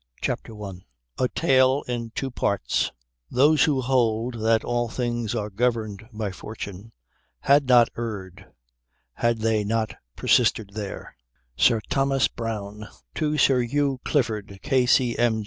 uk CHANCE A TALE IN TWO PARTS Those that hold that all things are governed by Fortune had not erred, had they not persisted there SIR THOMAS BROWNE TO SIR HUGH CLIFFORD, K.C.M.